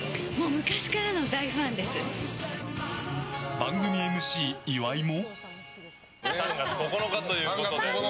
番組ＭＣ岩井も。